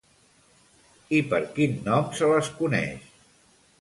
I per quin nom se les coneix?